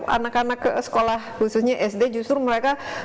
anak anak ke sekolah khususnya sd justru mereka